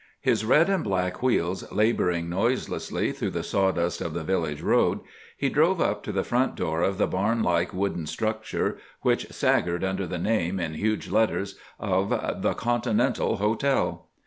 His red and black wheels labouring noiselessly through the sawdust of the village road, he drove up to the front door of the barn like wooden structure, which staggered under the name, in huge letters, of the CONTINENTAL HOTEL.